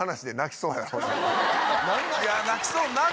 泣きそうになる！